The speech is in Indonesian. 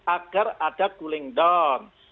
agar ada cooling down